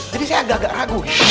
jadi saya agak agak ragu